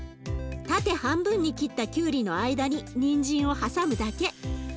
縦半分に切ったきゅうりの間ににんじんを挟むだけ。